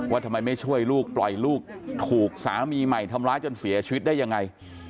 ทำไมไม่ช่วยลูกปล่อยลูกถูกสามีใหม่ทำร้ายจนเสียชีวิตได้ยังไง